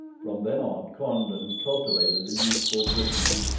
From then on Condon cultivated the youthful Briton.